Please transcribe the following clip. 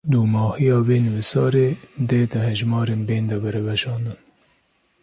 Dûmahiya vê nivîsarê, dê di hejmarên bên de were weşandin